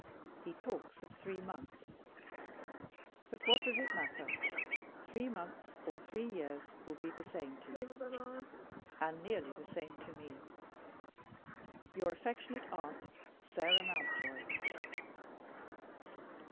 He talks of three months! But what does it matter? Three months or three years will be the same to you, and nearly the same to me. "Your affectionate aunt, "SARAH MOUNTJOY.